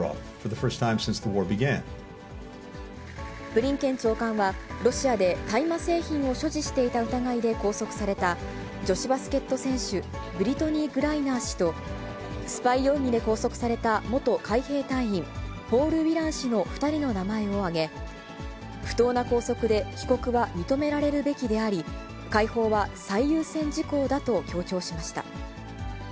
ブリンケン長官は、ロシアで大麻製品を所持していた疑いで拘束された女子バスケット選手、ブリトニー・グライナー氏とスパイ容疑で拘束された元海兵隊員、ポール・ウィラン氏の２人の名前を挙げ、不当な拘束で、帰国は認められるべきであり、解放は最優先事項だと強調しました。